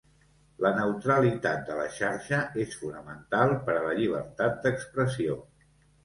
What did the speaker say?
La neutralitat de la xarxa és fonamental per a la llibertat d'expressió.